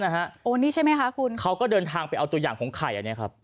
อันนี้ใช่ไหมคะคุณเขาก็เดินทางไปเอาตัวอย่างของไข่อันนี้ครับ